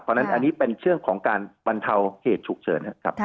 เพราะฉะนั้นอันนี้มันเป็นเชื่อมของการบรรเท้าเหตุฉุกเฉิน